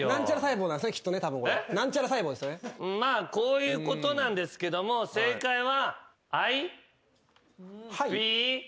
まあこういうことなんですけども正解は。